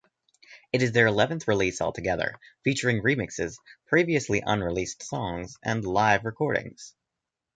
It is their eleventh release altogether, featuring remixes, previously unreleased songs, and live recordings.